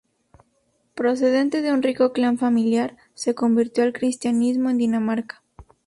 Procedente de un rico clan familiar, se convirtió al cristianismo en Dinamarca.